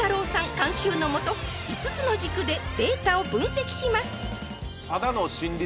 監修のもと５つの軸でデータを分析します